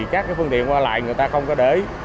các phương tiện qua lại người ta không có để